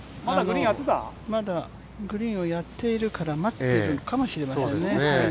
グリーンをやっているから待っているのかもしれませんね。